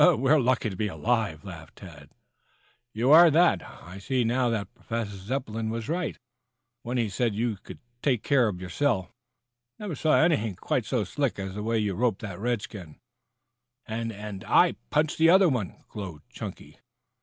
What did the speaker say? "We're lucky to be alive," laughed Tad. "You are that. I see now that Professor Zepplin was right when he said you could take care of yourself. Never saw anything quite so slick as the way you roped that redskin " "And and I punched the other one," glowed Chunky.